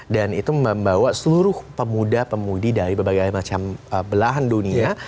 dan itu membawa seluruh pemuda pemudi dari berbagai macam belahan dunia